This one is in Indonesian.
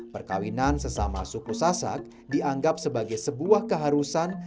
perkawinan sesama suku sasak dianggap sebagai sebuah keharusan